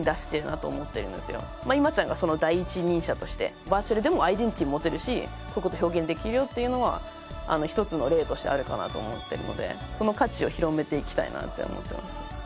まあｉｍｍａちゃんがその第一人者としてバーチャルでもアイデンティティー持てるしこういう事表現できるよっていうのは一つの例としてあるかなと思ってるのでその価値を広めていきたいなって思ってます。